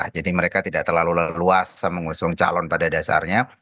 jadi mereka tidak terlalu luas mengusung calon pada dasarnya